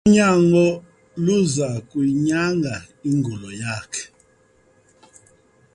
unyango luza kuyinyanga ingulo yakhe